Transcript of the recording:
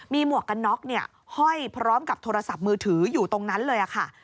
มีหมวกกันน็อกห้อยพร้อมกับโทรศัพท์มือถืออยู่ตรงนั้นเลยค่ะ